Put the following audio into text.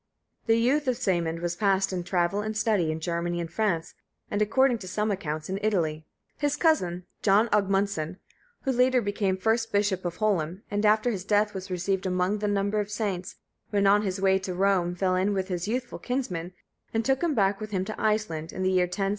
The youth of Sæmund was passed in travel and study, in Germany and France, and, according to some accounts, in Italy. His cousin John Ogmundson, who later became first bishop of Holum, and after his death was received among the number of saints, when on his way to Rome, fell in with his youthful kinsman, and took him back with him to Iceland, in the year 1076.